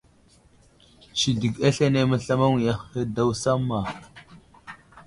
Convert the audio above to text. Sidik aslane məslamaŋwiya ahe daw samma.